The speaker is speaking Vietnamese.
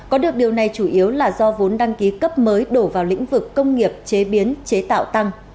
có được điều này chủ yếu là do vốn đăng ký cấp mới đổ vào lĩnh vực công nghiệp chế biến chế tạo tăng